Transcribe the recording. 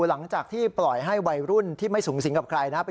หลังจากที่ปล่อยให้วัยรุ่นที่ไม่สูงสิงกับใครนะ